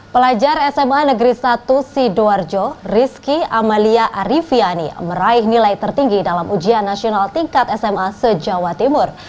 pelajar sma negeri satu sidoarjo rizky amalia arifiani meraih nilai tertinggi dalam ujian nasional tingkat sma se jawa timur